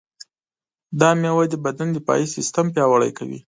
دا مېوه د بدن دفاعي سیستم پیاوړی کوي.